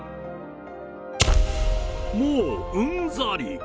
もううんざり！